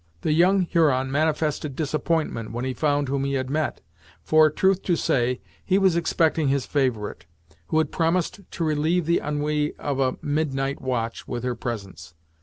The young Huron manifested disappointment when he found whom he had met; for, truth to say, he was expecting his favourite, who had promised to relieve the ennui of a midnight watch with her presence.